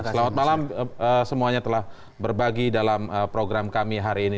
selamat malam semuanya telah berbagi dalam program kami hari ini